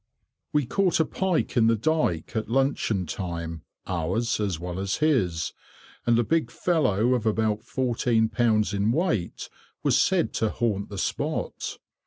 We caught a pike in the dyke, at luncheon time (ours as well as his), and a big fellow of about fourteen pounds in weight was said to haunt the spot.